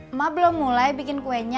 emak belum mulai bikin kuenya